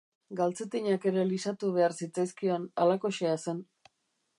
Galtzetinak ere lisatu behar zitzaizkion, halakoxea zen.